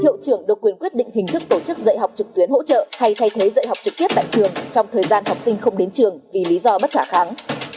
hiệu trưởng quyết định hình thức tổ chức dạy học trực tuyến hỗ trợ hay thay thế dạy học trực tiếp tại trường trong thời gian học sinh không đến trường vì lý do bất khả kháng